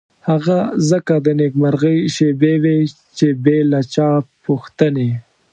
هغه ځکه د نېکمرغۍ شېبې وې چې بې له چا پوښتنې.